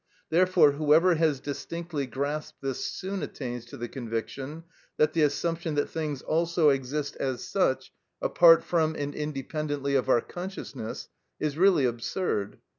Therefore whoever has distinctly grasped this soon attains to the conviction that the assumption that things also exist as such, apart from and independently of our consciousness, is really absurd.